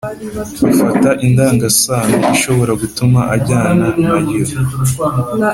afata indangasano ishobora gutuma ajyana na ryo